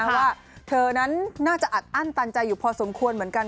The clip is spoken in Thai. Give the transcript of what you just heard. ว่าเธอนั้นน่าจะอัดอั้นตันใจอยู่พอสมควรเหมือนกัน